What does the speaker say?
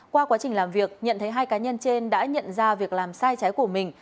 qua quá trình làm việc nhận thấy hai cá nhân trên đã nhận ra việc làm sai trái của mình